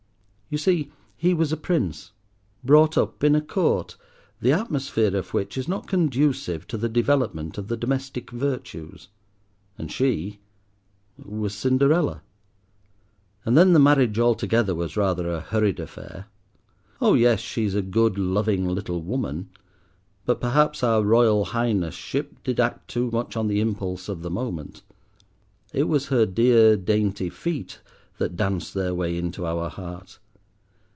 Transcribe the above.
You see he was a Prince, brought up in a Court, the atmosphere of which is not conducive to the development of the domestic virtues; and she—was Cinderella. And then the marriage altogether was rather a hurried affair. Oh yes, she is a good, loving little woman; but perhaps our Royal Highness ship did act too much on the impulse of the moment. It was her dear, dainty feet that danced their way into our heart.